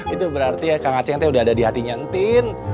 itu berarti ya kang aceh udah ada di hatinya entin